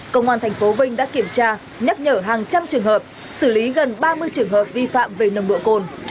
công an tp vinh đã kiểm tra nhắc nhở hàng trăm trường hợp xử lý gần ba mươi trường hợp vi phạm về nồng độ cồn